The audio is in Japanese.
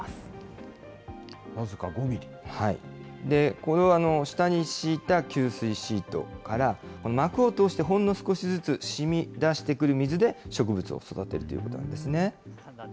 こういう下に敷いた吸水シートから、膜を通してほんの少しずつしみ出してくる水で植物を育てるということなんですね。